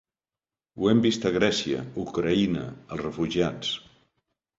Ho hem vist amb Grècia, Ucraïna, els refugiats.